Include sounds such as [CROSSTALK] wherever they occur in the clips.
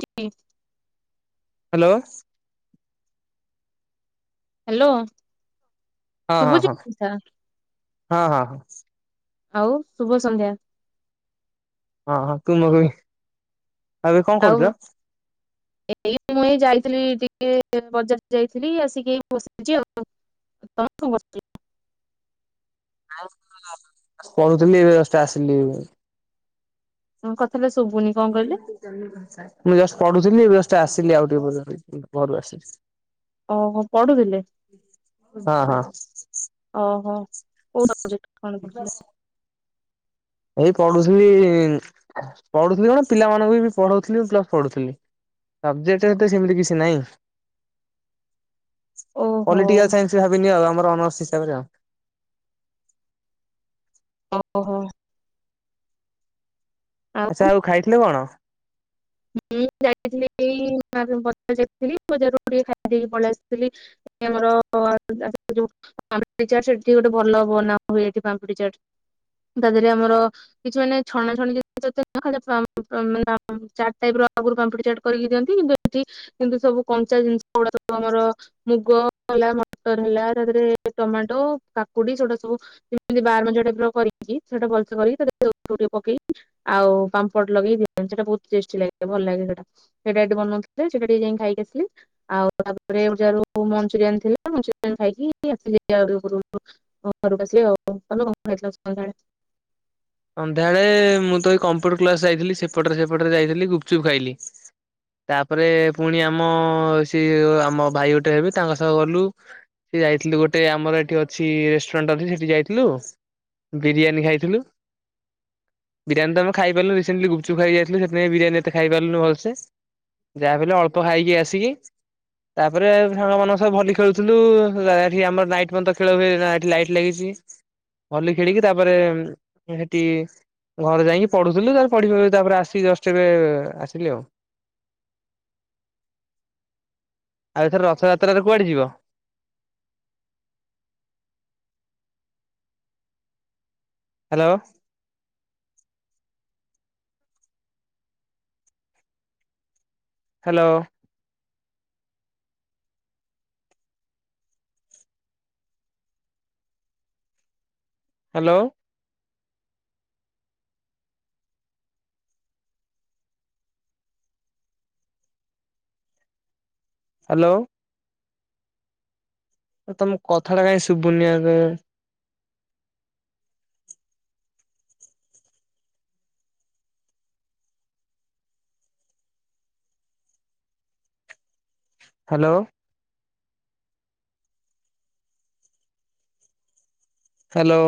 ହିଁ hello. Hello. ହଁ ହଁ ଶଭୁଛି ହଁ କିସା। ହଁ ହଁ ହଁ ଆଉଁ ଶୁଭ ସନ୍ଧ୍ୟା। ହଁ ହଁ ତୁମକୁ ଏବେ କଣ ଆଉ କରୁଛ? ଏଇ ମୁଁ ଏଇ ଯାଇଥିଲି ଟିକେ ବଜାର ଯାଇଥିଲି ଆସିକି ବସିଛି ଆଉ [INAUDIBLE] ପଢୁଥିଲି ଏବେ ଜଷ୍ଟ ଆସିଲି ଏବେ ଆଉ। ହଁ କଥା ହେଲେ ଶୁଭୁନି କଣ କହିଲେ? ମୁଁ ଜଷ୍ଟ ପଢ଼ୁଥିଲି ଏବେ ଜଷ୍ଟ ଆସିଲି ଆଉ ଟିକେ ପଢା ପଢ଼ି ଘରୁ ଆସିଲି। ଓ ହୋ ପଢୁଥିଲେ। ହଁ ହଁ। ଓହୋ କୋଉ ସବଜେକ୍ଟ କଣ ପଢ଼ୁଥିଲେ? ଏଇ ପଢୁଥିଲି ପଢୁଥିଲି କଣ ପିଲାମାନଙ୍କୁ ପଢଉଥିଲି ମୁଁ ପ୍ଲସ ପଢୁଥିଲି। ସବଜେକ୍ଟରେ ଏତେ ସେମିତି କିଛି ନହିଁ। ଓହୋ ପଲିଟିକାଲ ସାଇନ୍ସରେ ଭାବିନିଅ ଆଉ ଆମର ଅନର୍ସ ହିସାବରେ ଆଉ ଓହୋ। ଆଚ୍ଛା ଆଉ ଖାଇ ଥିଲୁ କଣ? ହୁଁ ମୁ ଯାଇଥିଲି ବଜାର ଯାଇଥିଲି। ବଜାରରୁ ଟିକେ ଖାଇ ଦେଇକି ପଳେଇ ଆସିଥିଲି। ଆମର ଯୋଉ [INAUDIBLE] ପାମ୍ପୁଡି ଚାଟ ସେଠିଁ ଗୋଟେ ଭଲ ବନାହୁଏ ଏଠି ପାମ୍ପୁଡି ଚାଟ ତା ଦେହରେ ଆମର କିଛି ମାନେ ଛଣା ଛଣିି ଜିନିଷ। [UNINTELLIGIBLE] ଟାଇପର ଆଗରୁ ପାମ୍ପିଡି ଚାଟ କରିକି ଦିଅନ୍ତି। କିନ୍ତୁ ଏଠି ଏମତି କିନ୍ତୁ ସବୁ କଞ୍ଚା ଜିନିଷ ଗୁଡା ସବୁ ଆମର ମୁଗ ହେଲା ମଟର ହେଲା ତା ଦେହରେ ଟମାଟୋ କାକୁଡି ସେଗୁଡା ସବୁ ଯେମିତି ବାର [INAUDIBLE] ଟେ କରିକି ସେମ୍ ତି ଭଲ୍ସେ କରିକି ପକେଇ ଆଉ ପାମ୍ପଡ୍ ଲଗେଇ ଦି ସେଟା ବହୁତ୍ ଟେଷ୍ଟି ଲାଗେ ଭଲ୍ ଲାଗେ ସେଟା [UNINTELLIGIBLE] ସେଇଟା [UNINTELLIGIBLE] ବନୋଉଥିଲେ ସେଟା ଟିକେ ଯାଇଁକି ଖାଇକି ଆସିଲି। ଆଉ ତାପରେ [UNINTELLIGIBLE] ହଁ ଘରକୁ ଆସିବେ [UNINTELLIGIBLE] ସନ୍ଧ୍ୟାବେଳେ ମୁଁ ତ ଏଇ କମ୍ପ୍ୟୁଟର କ୍ଲାସ ଯାଇଥିଲି ସେପଟରେ ସେପଟରେ ଯାଇଥିଲି ଗୁପଚୁପ୍ ଖାଇଲି। ତାପରେ ପୁଣି ଆମ ସେ ଆମ ଭାଇ ଗୋଟେ ହେବେ ତାଙ୍କ ସହ ଗଲୁ। ସେ ଯାଇଥିଲୁ ଗୋଟେ ଆମର ଏଠି ଅଛି ରେଷ୍ଟୁରାଣ୍ଟ ଅଛି ସେଠି ଯାଇଥିଲୁ ବିରିୟାନୀ ଖାଇଥିଲୁ। ବିରିୟାନୀ ତ ଆମେ ଖାଇ ପାରିଲୁନି ରିସେଣ୍ଟ୍ଲି ଗୁପ୍ ଚୁପ୍ ଖାଇକି ଯାଇଥିଲୁ ସେଇଥିପାଇ ବିରିୟାନୀ ଏତେ ଖାଇ ପାର୍ ଲୁନି ଭଲ୍ ସେ ଯାହା ବି ହେଲେ ଅଳ୍ପ ଖାଇକି ଆସିକି ତାପରେ ଆଉ ସାଙ୍ଗମାନଙ୍କ ସହ ଭଲି ଖେଳୁଥିଲୁ ଏଠି ଆମର ନାଇଟ୍ ପନ୍ତ ଖେଳ ହୁଏ ନାଇଟ୍ ଲାଇଟ ଲୋଗିଚି ଭଲି ଖେଳିକି ତାପରେ ଏ ହେଠି ଘରେ ଯାଇଁକି ପଢୁଥୁଲୁ ତାପରେ ପଢ଼ିବୁ ତାପରେ ଆସିକି ଜଷ୍ଟ ଏବେ ଆସିଲି ଆଉ। ଆଉ ଏଥର ରଥଯାତ୍ରାରେ କୁଆଡ଼େ ଯିବ? Hello hello. ହ୍ୟାଲୋ। ହ୍ୟାଲୋ। ଏ ତମ କଥା ଟା କାହିଁ ଶୁଭୁନି ଏବେ। ହ୍ୟାଲୋ। ହ୍ୟାଲୋ।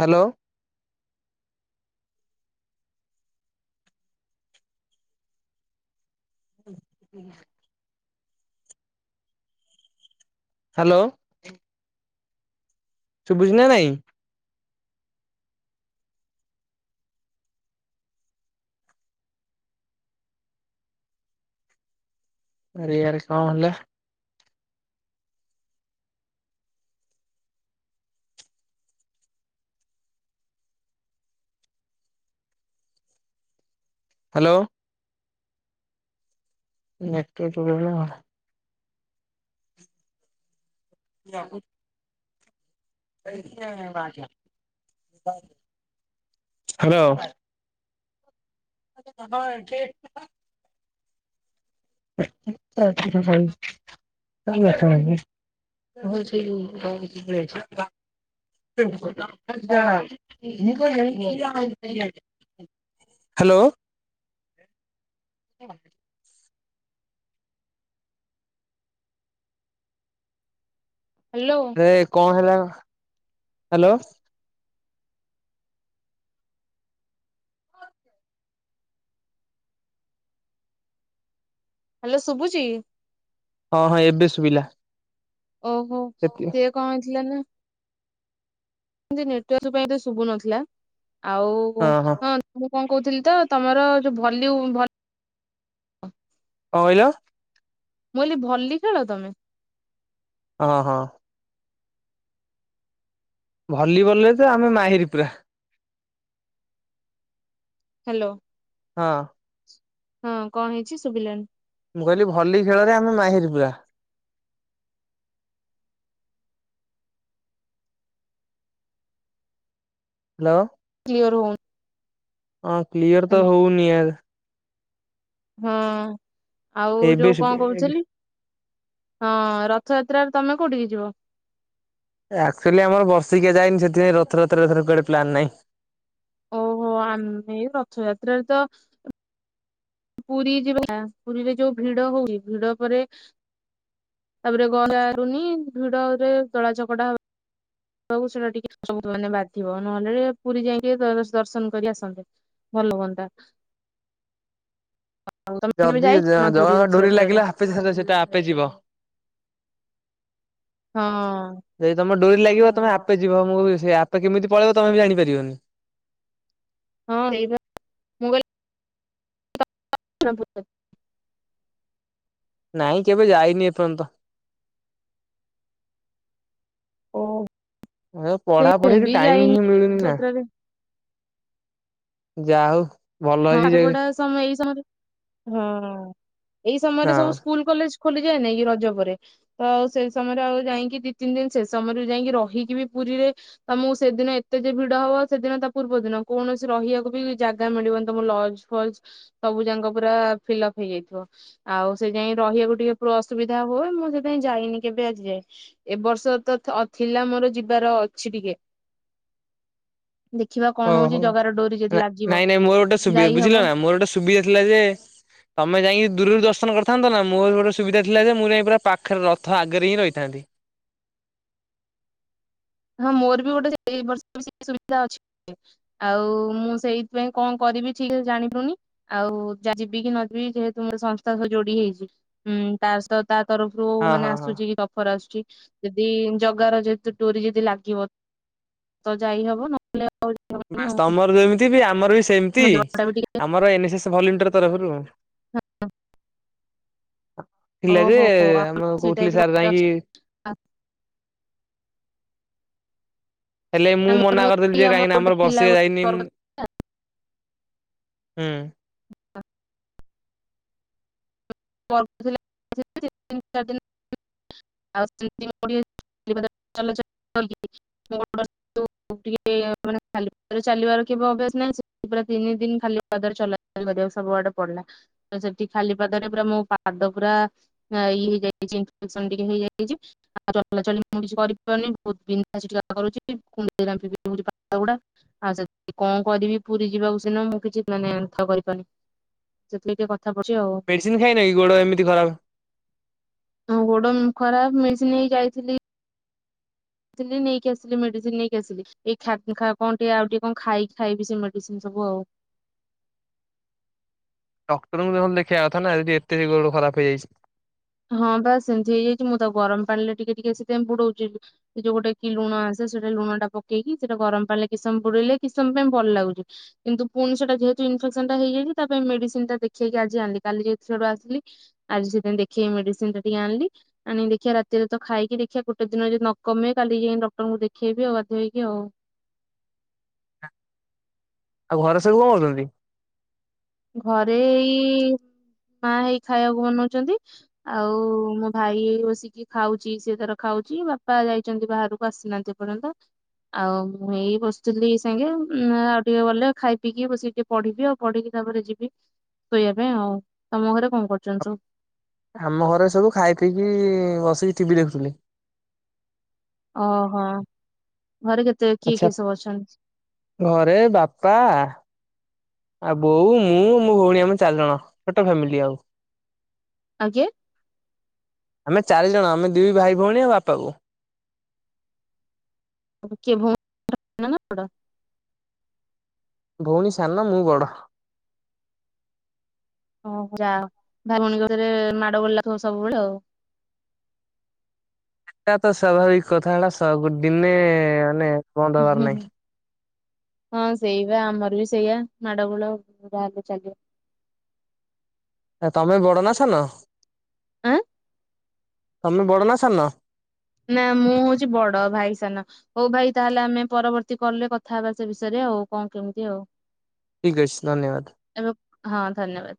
ହ୍ୟାଲୋ। [UNINTELLIGIBLE] ହ୍ୟାଲୋ। ଶୁବୁଚି ନା ନାଇଁ। ଆରେ ଆରେ କଣ ହେଲା। ହ୍ୟାଲୋ। ନେଟୱର୍କ ପ୍ରୋବ୍ଲମ୍ ହେଲା [UNINTELLIGIBLE] ହ୍ୟାଲୋ। [UNINTELLIGIBLE] [UNINTELLIGIBLE] [UNINTELLIGIBLE] [UNINTELLIGIBLE] ହ୍ୟାଲୋ। ହ୍ୟାଲୋ। ସେ କଣ ହେଲା ହ୍ୟାଲୋ। ହ୍ୟାଲୋ ଶୁଭୁଚି। ହଁ ହଁ ଏବେ ସୁୁଭିଲା। ଓହୋ ସିଏ କଣ ହେଇଥିଲା ନା ଏମତୀ ନେଟୱର୍କ ପାଇଁ ତ ଶୁଭୁ ନଥିଲା ଆଉ ହଁ ହଁ କଣ ହ ମୁଁ କଣ କହୁଥିଲି ତ ତମର ଯୋଉ ଭଲ୍ୟୁମ୍ ଭଲ କଁ କହିଲ? ମୁଁ ହିଲି ଭଲି ଖେଳ ତମେ? ଅ ହଁ। ଭଲିବଲରେ ତ ଆମେ ମାହିର୍ ପୁରା। ହ୍ୟାଲୋ। ହଁ। ହଁ କଣ ହେଇଛି ଶୁଭିଲାନି। ମୁଁ କହିଲି ଭଲି ଖେଳରେ ଆମେ ମାହିର୍ ପୁରା। ହ୍ୟାଲୋ। କ୍ଲିୟର ହଉ ହଁ କ୍ଲିୟର ତ ହଉ ନିି ୟାର। ହଁ ଆଉ ଏବେ ଯୋଉ କଣ ଶୁଭିଲା ଏବେ। କହୁଥିଲି ହଁ ରଥଯାତ୍ରାରେ ତମେ କୋଉଠିକି ଯିବ? ଆକ୍ଚୁଆଲି ଆମର ବର୍ଷିକିଆ ଯାଇନି ସେଥିପାଇ ରଥଯାତ୍ରାରେ ଏଥର କୁଆଡେ ପ୍ଲାନ୍ ନାହିଁ। ଓହୋ ଆମେ ଏଇ ରଥଯାତ୍ରାରେ ତ ପୁରୀ ଯିବା ପୁରୀରେ ଯୋଉ ଭିଡ ହଉ ଭିଡ ପରେ ତାପରେ ଗରା ଉନି ଭିଡ ରେ ତଳା ଚକଡା ହବ କୁ ସେଟା ଟିକେ ସବୁ ମାନେ ବାଧିବ ନହେଲେ ପୁରୀ ଯାଇକି ଦର୍ଶନ କରି ଆସନ୍ତେ। ଭଲ ହୁଅନ୍ତା, ଆଉ ତମେ କେବେ ଯାଇଛ ନା ପୁରୀ ରଥଯାତ୍ରରେ? [UNINTELLIGIBLE] ସେଇଟା ଆପେ ଯିବ। ହଁ। ଯଦି ତମ ଡୋରି ଲାଗିବ ତମେ ଆପେ ଯିବ, ମୁଁ ବି ସେୟା ଆପେ କେମିତି ପଳେଇବ ତମେ ବି ଜାଣିପାରିବନି। ହଁ ସେଇ ପା। [UNINTELLIGIBLE] ନାଇଁ କେବେ ଯାଇନି ଏପର୍ଯ୍ୟନ୍ତ ଓ ଏ ସେ ପଢା ମୁଁ ପଢିରୁ ବି ଟାଇମ ହିଁ ଯାଇନି ମିଳୁନି ନା ରଥଯାତ୍ରାରେ। ଯାଉ। ହଁ ପାଠ ପଢା ସମୟ ଏଇ ସମୟରେ ହଁ ଏଇ ସମୟରେ ସବୁ ହଁ। ସ୍କୁଲ। କଲେଜ ଖୋଲିଯାଏନିକି ଏଇ ରଜ ପରେ। ତ ଆଉ ସେ ସମୟରେ ଆଉ ଯାଇକି ଦି ତିନି ଦିନ ସେ ସମୟରେ ଯାଇକି ରହିକି ବି ପୁରୀରେ ତମକୁ ସେଦିନ ଏତେ ଯେ ଭିଡ ହବ ସେଦିନ ତା ପୂର୍ବ ଦିନ କୌଣସି ରହିବାକୁ ବି ଜାଗା ମିଳିବନି। ତମ ଲଞ୍ଚ୍ ଫଞ୍ଚ୍ ସବୁ ଯାକ ପୁରା ଫିଲପ୍ ହେଇଯାଇଥିବ। ଆଉ ସେ ଯାଇ ରହିବାକୁ ଟିକେ ପ୍ର ଅସୁବିଧା ହୁଏ ମୁଁ ସେଥିପାଇଁ ଯାଇନି କେବେ ଆଜି ଯାଏ। ଏବ ବର୍ଷ ତ ଅ ଥିଲା ମୋର ଯିବାର ଅଛି ଟିକେ [INAUDIBLE] ଦେଖିବା କଣ ଓହୋ ହଉଛି ଜଗାର ଡୋରି ଯଦି ନାଇଁ ଲାଗିବ ନାଇଁ ମୋର ଗୋଟେ ସୁବିଧା ଯାଇ ହବ। ବୁଝିଲ ନା ମୋର ଗୋଟେ ସୁବିଧା ଥିଲା ଯେ ତମେ ଯାଇକି ଦୂରରୁ ଦର୍ଶନ କରିଥାନ୍ତ ନା ମୋର ଗୋଟେ ସୁବିଧା ଥିଲା ଯେ ମୁଁ ଯାଇ ପୁରା ପାଖରେ ରଥ ଆଗରେ ହିଁ ରହିଥାନ୍ତି। ହଁ ମୋର ବି ଗୋଟେ ଏଇ ବର୍ଷ ବି ସୁବିଧା ଅଛି। ଆଉ ମୁଁ ସେଇଥିପାଇଁ କଣ କରିବି ଠିକରେ ଜାଣିପାରୁନି। ଆଉ ଯାହା ଯିବିକି ନ ଯିବି ଯେହେତୁ ମୋର ସଂସ୍ଥା ସହ ଯୋଡି ହେଇଛି ହୁଁ ତା ସହ ତା ତରଫରୁ ହଁ ମାନେ ହଁ ହଁ। ଆସୁଛି ଅଫର ଆସୁଛି ଯଦି ଜଗାର ଯେହେତୁ ଡୋରି ଯଦି ଲାଗିବ ତ ଯାଇ ହବ ନ ହେଲେ ଆଉ [UNINTELLIGIBLE] ବାସ ତମର ଯେମିତି ବି ଆମର ବି ସେମିତି। ମୋ ଦେହଟା ବି ଟିକେ ଆ ଆମର ଏନ୍ ଏସ୍ ଏସ୍ ଭଲଣ୍ଟିର ତରଫରୁ ଥିଲା ଯେ ଓହୋ ଆମର ଆମେ ସେଇ ଟାଇପ କହୁଥିଲି ର ସାର୍ ଗୋଟେ ଯାଇକି ଅଛି। ହେଲେ ମୁଁ ଆମର ମନା କରିଦେଲି ଯେ କାହିଁକିନା ଗୋଟେ ଆମର ଥିଲା ବର୍ଷିକିଆ ଗୋଟେ ଯାଇନି ମୁଁ ପର୍ବ ଥିଲା। ହୁଁ। ପଢ଼ୁଥିଲେ ସେ ସେ ତିନ ଚାରି ଦିନ। ଆଉ [UNINTELLIGIBLE] ଟିକେ ମାନେ ଖାଲି ପାଦରେ ଚାଲିବାର ଥିବ ଅଭ୍ୟାସ ନାହିଁ ସେ ପୁରା ତିନି ଦିନ ଖାଲି ଖାଲି ପାଦରେ ଚଲା ଚୁଲି କରିବାକୁ ସବୁଆଡେ ପଡିଲା ତ ସେଠି ଖାଲି ପାଦରେ ପୁରା ମୋ ପାଦ ପୁରା ହଁ ଇଏ ବି ଯାଇଚି ଟେନସନ ଟିକେ ହେଇଯାଇଚି। ଆଉ ଚଲା ଚଲି ମୁଁ କିଛି କରିପାରୁନି ବହୁତ ବିନ୍ଧା ଛିଟିକା କରୁଛି କୁଣ୍ଡେଇ ରାମ୍ପିବି ହଉଚି ପାଦ ଉଡା। ଆଉ ସେ କଣ କରିବି ପୁରୀ ଯିବାକୁ ସିନା ମୁଁ କିଛି ମାନେ ଏନ୍ଥା କରିପାରୁନି। ଯେମିତି ଏ କଥା ପଡିଚି ଆଉ। ମେଡିସିନ ଖାଇନା କି ଗୋଡ଼ ଏମିତି ଖରାପ ହଉ ଗୋଡ ଖରାପ ମେଡିସିନ ନେଇକି ଯାଇଥିଲି। ଆସିଲି ନେଇକି ଆସିଲି ମେଡିସିନ ନେଇକି ଆସିଲି ଏଇ ଖା ଖା କଣ ଟିକେ ଆଉ ଟିକେ କଣ ଖାଇକି ଖାଇବି ସେ ମେଡିସିନ ସବୁ ଆଉ। ଡକ୍ଟରଙ୍କୁ ନହେଲେ ଦେଖେଇବା କଥା ନା ଯଦି ଏତେ ଗୋଡ ଖରାପ ହେଇଯାଇଛି। ହଁ ପା ସେମିତି ହେଇଯାଇଛି ମୁଁ ତାକୁ ଗରମ ପାଣିରେ ଟିକେ ଟିକେ ସେଥିପାଇଁ ବୁଡୋଉଛି। ସେ ଯୋଉ ଗୋଟେ କି ଲୁଣ ଆସେ ସେଟା ଲୁଣ ଟା ପକେଇକି ସେଟା ଗରମ ପାଣିରେ କିସମ ବୁଡେଇଲେ କିସମ ପାଇଁ ଭଲ ଲାଗୁଛି। କିନ୍ତୁ ପୁଣି ସେଇଟା ଯେହେତୁ ଇମ୍ପିରେଶନଟା ହେଇଯାଇଛି ତା ପାଇଁ ମେଡିସିନ ଦେଖେଇକି ଆଣିଲି କାଲି ଯେହେତୁ ସ୍ୟାଡୁ ଆସିଲି ଆଜି ସେଥିପାଇଁ ଦେଖେଇ ମେଡିସିନ ଟା ଟିକେ ଆଣିଲି। ଆଣି ଦେଖିବା ରାତିରେ ତ ଖାଇକି ଦେଖିବା ଗୋଟେ ଦିନ ଯଦି ନ କମେ କାଲି ଯାଇକ ଡକ୍ଟରଙ୍କୁ ଦେଖେଇବି ଆଉ ବାଧ୍ୟ ହେଇକି ଆଉ। ଆଉ ଘରେ ସବୁ କଣ କରୁଛନ୍ତି? ଘରେ ଏଇ ମା ହେଇ ଖାଇବାକୁ ବନଉଛନ୍ତି। ଆଉ ମୋ ଭାଇ ଏଇ ବସିକି ଖାଉଛି ସିଏ ତାର ଖାଉଛି ବାପା ଯାଇଛନ୍ତି ବାହାରକୁ ଆସିନାହାନ୍ତି ଏପର୍ଯ ପଯ୍ୟନ୍ତ। ଆଉ ମୁଁ ଏଇ ବସିଥିଲି ସାଙ୍ଗେ ଉଁ ଆଉ ଟିକେ ଗଲେ ଖାଇ ପିଇକି ବସିକି ଟିକେ ପଢିବି ଆଉ ପଢିକି ତା ପରେ ଯିବି ଶୋଇବା ପାଇଁ ଆଉ ତମ ଘରେ କଣ କରୁଛନ୍ତି ସବୁ। ଆମ ଘରେ ସବୁ ଖାଇ ପିଇକି ବସିକି ଟିଭି ଦେଖୁଥିଲି। ଓହୋ ଘରେ କେତେ କିଏ ଆଚ୍ଛା କିଏ ସବୁ ଅଛନ୍ତି? ଘରେ ବାପା ଆଉ ବୋଉ ମୁଁ ମୋ ଭଉଣୀ ଆମ ଚାରି ଜଣ ଛୋଟ ଫ୍ୟାମିଲି ଆଉ ଆଜ୍ଞା ଆମେ ଚାରି ଜଣ ଆମେ ଦୁଇ ଭାଇ ଭଉଣୀ ଆଉ ବାପା ବୋଉ କିଏ ଭଉନୀ ସାନ ନା ବଡ ଭଉଣୀ ସାନ ମୁଁ ବଡ ଓହୋ ଯା ହଉ ଭାଇ ଭଉଣୀଙ୍କ ଭିତରେ ମାଡ ଗୋଳି ଲାଗୁଥିବ ସବୁବେଳେ ଆଉ ଏଇଟା ତ ସ୍ଵାଭାବିକ କଥା ହେଟା ସବୁ ଦିନେ ମାନେ ବନ୍ଦ ହୁଁ ହବାର ହୁଁ ହୁଁ ନାହିଁ। ହଁ ସେଇ ବା ଆମର ବି ସେଇଆ ମାଡ଼ ଗୋଳ ବାହଲେ ଚାଲିବା ଆଉ ତମେ ବଡ ନା ସାନ ଆଁ ତମେ ବଡ ନା ସାନ? ନା ମୁଁ ହଉଛି ବଡ ଭାଇ ସାନ ହଉ ଭାଇ ତାହେଲେ ଆମେ ପରବର୍ତ୍ତୀ କଲ୍ ରେ କଥା ହେବା ସେ ବିଷୟରେ ଆଉ କଣ କେମିତି ଆଉ ଠିକ୍ ଅଛି ଧନ୍ୟବାଦ ଏବଂ ହଁ ଧନ୍ୟବାଦ